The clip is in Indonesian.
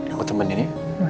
aku temen ini